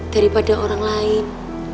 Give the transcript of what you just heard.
daripada orang lain